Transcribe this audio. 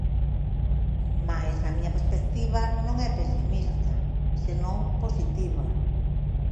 Mais a miña perspectiva non é pesimista, senón positiva.